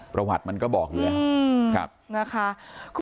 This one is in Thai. ประวัติมันก็บอกเลย